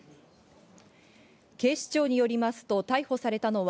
警視庁によりますと逮捕されたのは、